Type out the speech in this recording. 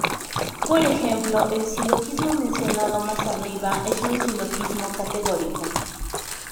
Por ejemplo, el silogismo mencionado más arriba es un silogismo categórico.